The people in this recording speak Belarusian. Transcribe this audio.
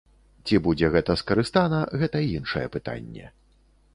Ці будзе гэта скарыстана, гэта іншае пытанне.